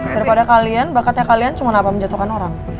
daripada kalian bakatnya kalian cuma apa menjatuhkan orang